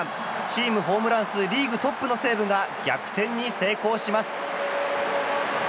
チームホームラン数リーグトップの西武が逆転に成功します。